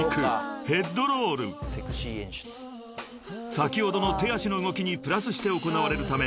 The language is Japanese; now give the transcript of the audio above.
［先ほどの手足の動きにプラスして行われるため］